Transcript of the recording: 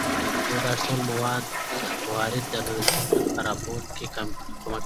نو دا ټول موارد د لوستونکى په راپارونه کې کمک کوي